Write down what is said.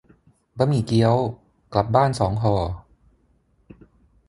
บะหมี่เกี๊ยว กลับบ้านสองห่อ